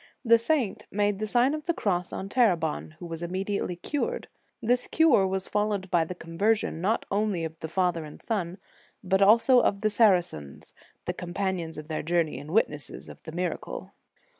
The saint made the Sign of the Cross on Terebon, who was immediately cured. This cure was fol lowed by the conversion, not only of the father and son, but also of the Saracens, the companions of their journey and witnesses of the miracle.